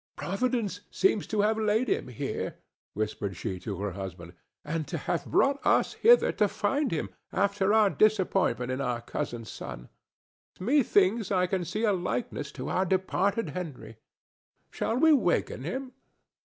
"Providence seems to have laid him here," whispered she to her husband, "and to have brought us hither to find him, after our disappointment in our cousin's son. Methinks I can see a likeness to our departed Henry. Shall we waken him?"